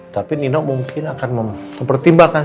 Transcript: tapi nino mungkin akan mempertimbangkan